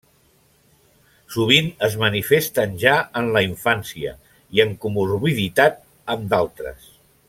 Sovint es manifesten ja en la infància i en comorbiditat amb d'altres.